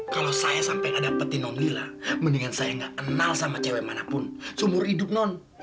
kalau saya sampai nggak dapetin non lila mendingan saya nggak kenal sama cewek manapun seumur hidup non